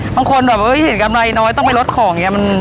บางคนเห็นกำไรน้อยต้องไปลดของ